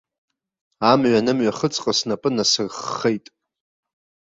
Амҩа нымҩахыҵҟа снапы насырххеит.